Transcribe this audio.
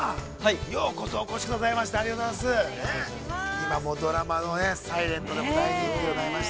ようこそ、お越しくださいました、ありがとうございます。